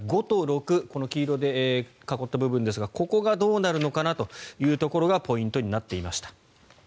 ５と６この黄色で囲った部分ですがここがどうなるのかなというところがポイントになっていました。